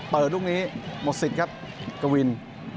เปิดตรงนี้หมดสิทธิ์ครับกะวิน